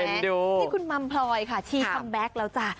นี่คุณมัมพลอยค่ะชี้คัมแบ็คแล้วจ้ะ